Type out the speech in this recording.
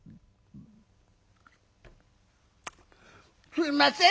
「すいません